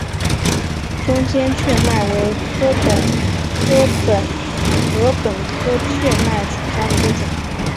中间雀麦为禾本科雀麦属下的一个种。